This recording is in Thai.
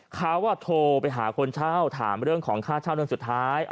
เขาโทรไปหาคนเช่าถามเรื่องของค่าเช่าเดือนสุดท้าย